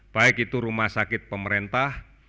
baik itu rumah sakit pemerintah